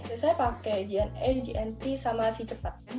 biasanya pakai jne jnt sama ccept